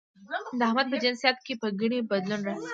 د احمد په جنسيت کې به ګنې بدلون راشي؟